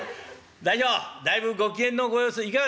「大将だいぶご機嫌のご様子いかがです？